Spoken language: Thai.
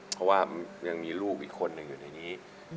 เพราะว่ายังมีลูกอีกคนหนึ่งอยู่ในนี้